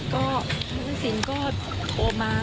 คุณทัศน์ติ๋นให้กรรตังใจใครมาค่ะ